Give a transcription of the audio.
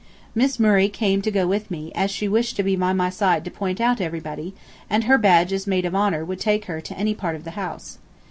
Miss Murray came to go with me, as she wished to be by my side to point out everybody, and her badge as Maid of Honor would take her to any part of the house.